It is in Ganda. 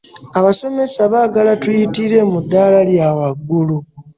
Abasomesa baagala tuyitire mu ddaala lya waggulu.